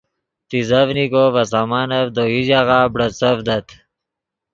تیزڤنیکو ڤے سامانف دے یو ژاغہ بڑیڅڤدت